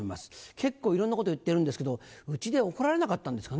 結構いろんなこと言ってるんですけど家で怒られなかったんですかね？